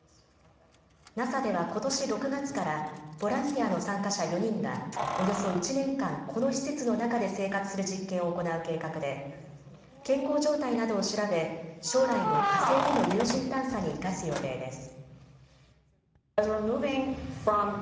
ＮＡＳＡではことし６月からボランティアの参加者４人がおよそ１年間、この施設の中で生活する実験を行う計画で健康状態などを調べ将来の火星での有人探査に生かす予定です。